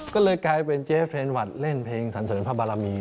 ก็เลยกลายเป็นเจ๊เฟรนวัดเล่นเพลงสันเสริญพระบารมี